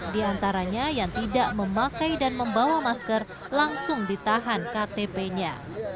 di antaranya yang tidak memakai dan membawa masker langsung ditahan ktp nya